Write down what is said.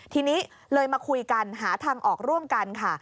ทีนี้เลยมาคุยกันหาทางออกร่วมกันค่ะ